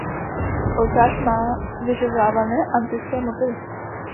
Oltář má vyřezávané antické motivy.